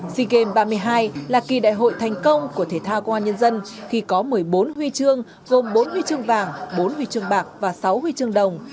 sea games ba mươi hai là kỳ đại hội thành công của thể thao công an nhân dân khi có một mươi bốn huy chương gồm bốn huy chương vàng bốn huy chương bạc và sáu huy chương đồng